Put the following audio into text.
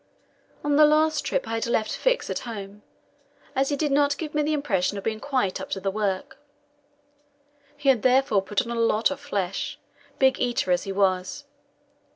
On this last trip I had left Fix at home, as he did not give me the impression of being quite up to the work; he had therefore put on a lot of flesh, big eater as he was.